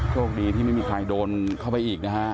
โชคดีที่ไม่มีใครโดนเข้าไปอีกนะฮะ